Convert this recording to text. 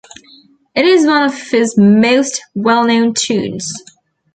It is one of his most well-known tunes.